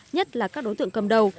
nhất là các đối tượng cầm đầu